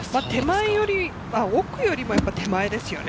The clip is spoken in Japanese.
奥よりも手前ですよね。